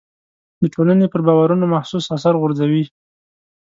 د ټولنې پر باورونو محسوس اثر غورځوي.